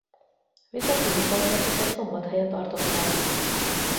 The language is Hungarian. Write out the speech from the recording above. Visszatérő koncertjüket Szombathelyen tartották.